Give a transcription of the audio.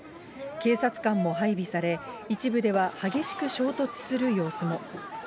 警察官も配備され、一部では激しく衝突する様子も。